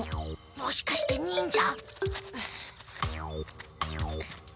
もしかして忍者？